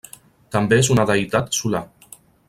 També és una deïtat solar.